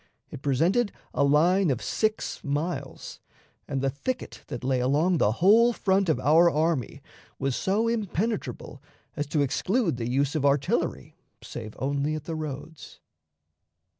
It presented a line of six miles, and the thicket that lay along the whole front of our army was so impenetrable as to exclude the use of artillery save only at the roads.